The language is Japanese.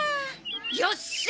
よっしゃー！